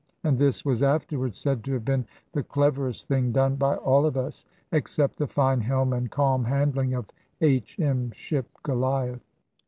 And this was afterwards said to have been the cleverest thing done by all of us, except the fine helm and calm handling of H.M. ship Goliath.